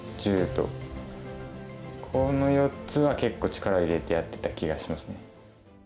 この４つは結構力を入れてやってた気がしますね。